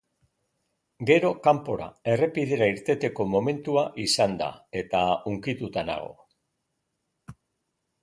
Gero, kanpora, errepidera irteteko momentua izan da, eta hunkituta nago.